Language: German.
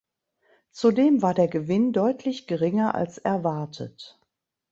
Zudem war der Gewinn deutlich geringer als erwartet.